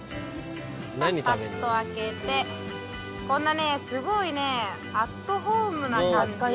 こんなねすごいねアットホームな感じ。